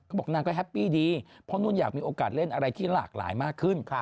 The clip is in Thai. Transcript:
บอกนางก็แฮปปี้ดีเพราะนุ่นอยากมีโอกาสเล่นอะไรที่หลากหลายมากขึ้น